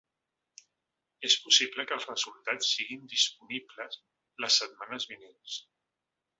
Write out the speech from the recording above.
És possible que els resultats siguin disponibles les setmanes vinents.